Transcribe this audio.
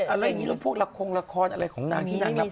อะไรอย่างนี้แล้วพวกละครละครอะไรของนางที่นางรับ